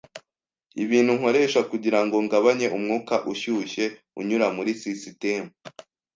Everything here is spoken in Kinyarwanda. ibintu nkoresha kugirango ngabanye umwuka ushyushye unyura muri sisitemu